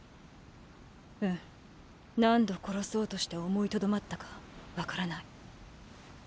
うん何度殺そうとして思いとどまったかわからない。